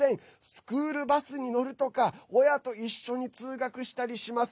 スクールバスに乗るとか親と一緒に通学したりします。